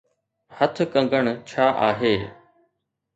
هٿ ڪنگڻ ڇا آهي؟